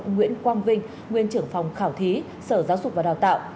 nguyễn quang vinh nguyên trưởng phòng khảo thí sở giáo dục và đào tạo